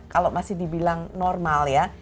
kalau masih dibilang normal ya